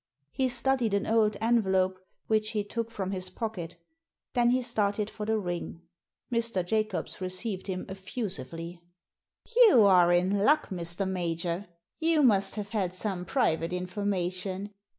He studied an old envelope which he took from his pocket Then he started for the ring. Mr. Jacobs received him effusively. You are in luck, Mr. Major. You must have had some private information.